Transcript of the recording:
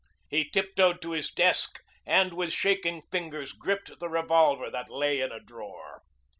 He tiptoed to his desk and with shaking fingers gripped the revolver that lay in a drawer.